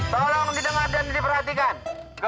tolong didengar dan diperhatikan